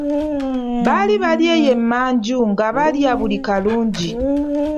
Baali bali eyo emanju nga balya buli kalungi.